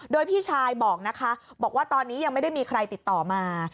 โดยพี่ชายบอกนะคะบอกว่าตอนนี้ยังไม่ได้มีใครติดต่อมา